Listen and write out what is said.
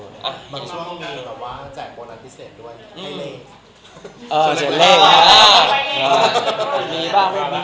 บางช่วงแจกโปรนัทพิเศษด้วยให้เล่ง